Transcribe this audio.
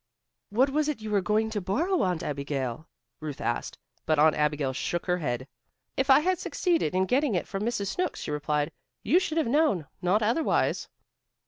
"What was it you were going to borrow, Aunt Abigail?" Ruth asked, but Aunt Abigail shook her head. "If I had succeeded in getting it from Mrs. Snooks," she replied, "you should have known. Not otherwise."